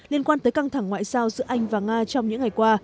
liên quan tới căng thẳng ngoại giao giữa anh và nga trong những ngày qua